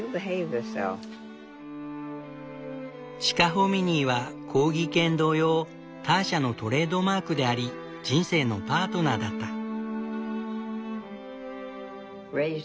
チカホミニーはコーギー犬同様ターシャのトレードマークであり人生のパートナーだった。